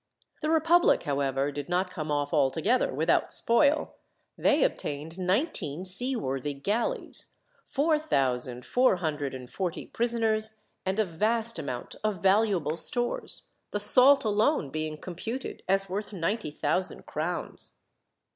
The republic, however, did not come off altogether without spoil they obtained nineteen seaworthy galleys, four thousand four hundred and forty prisoners, and a vast amount of valuable stores, the salt alone being computed as worth ninety thousand crowns.